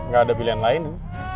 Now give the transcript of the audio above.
gak ada pilihan lain